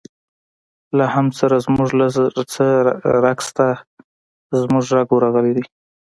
له حمد سره زموږ لږ څه رګ شته، زموږ رګ ورغلی دی.